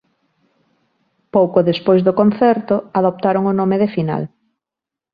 Pouco despois do concerto adoptaron o nome de Final.